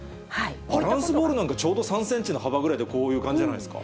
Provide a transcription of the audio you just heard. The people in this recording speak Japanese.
バランスボールなんか、ちょうど３センチの幅ぐらいでこういう感じじゃないですか。